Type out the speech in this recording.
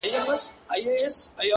زړه په پیوند دی!